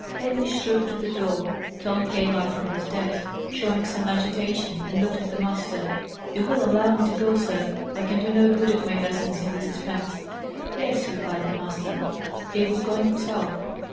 Hamish strode to the door. Tom came up from his desk, showing some agitation, and looked at the master. "You will allow me to go, sir? I can do no good at my lessons in this suspense." "Yes," replied the master. He was going himself.